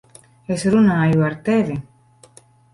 Es runāju ar tevi!